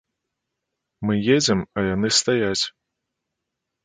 Мы едзем, а яны стаяць.